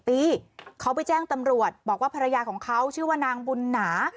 ปีเขาไปแจ้งตำรวจบอกว่าภรรยาของเขาชื่อว่านางบุญหนา